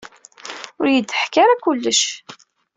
Ur yi-d-teḥka ara kullec.